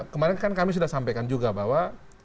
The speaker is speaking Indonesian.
kemarin kan kami sudah sampaikan juga bahwa